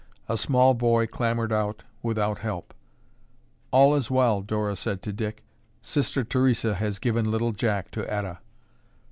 A small boy clambered out without help. "All is well!" Dora said to Dick. "Sister Theresa has given little Jack to Etta."